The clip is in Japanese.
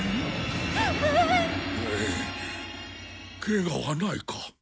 ケガはないか？